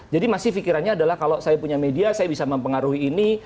jadi masih pikirannya adalah kalau saya punya media saya bisa mempengaruhi ini